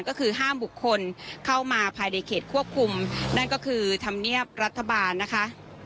ก็คือห้ามบุคคลเข้ามาภายในเขตควบคุมนั่นก็คือธรรมเนียบรัฐบาลนะคะ